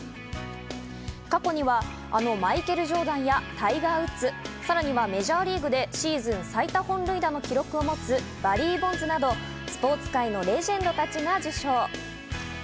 過去にはあのマイケル・ジョーダンやタイガー・ウッズ、さらにはメジャーリーグでシーズン最多本塁打の記録を持つバリー・ボンズなどスポーツ界のレジェンドたちが受賞。